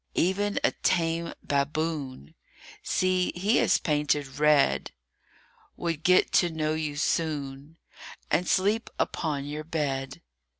EVEN a tame baboon! See, he is painted red Would get to know you soon And sleep upon your bed.